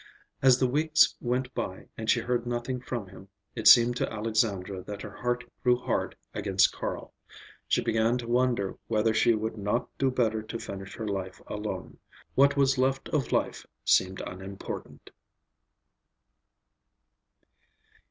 As the weeks went by and she heard nothing from him, it seemed to Alexandra that her heart grew hard against Carl. She began to wonder whether she would not do better to finish her life alone. What was left of life seemed unimportant.